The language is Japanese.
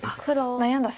悩んだ末。